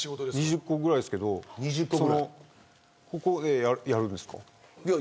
２０個ぐらいですけどここでやるんですか。